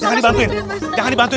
jangan dibantuin jangan dibantuin